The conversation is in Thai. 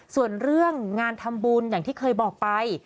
ส่วนเรื่องงานทำบุญอย่างที่เคยบอกไป